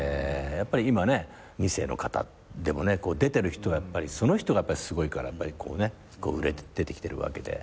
やっぱり今二世の方でも出てる人はやっぱりその人がすごいから売れて出てきてるわけで。